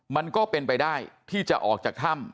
มันก็เป็นไปได้ที่จะออกจากถ้ำ